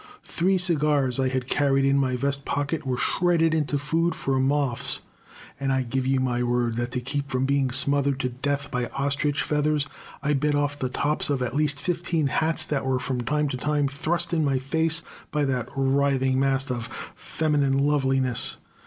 Three cigars I carried in my vest pocket were shredded into food for moths, and I give you my word that to keep from being smothered to death by ostrich feathers I bit off the tops of at least fifteen hats that were from time to time thrust in my face by that writhing mass of feminine loveliness.